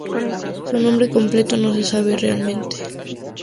Su nombre completo no se sabe realmente.